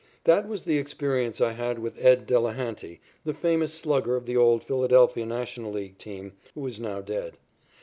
That was the experience I had with "Ed" Delehanty, the famous slugger of the old Philadelphia National League team, who is now dead.